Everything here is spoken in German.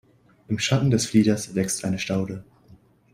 Im Schatten des Flieders wächst eine Staude.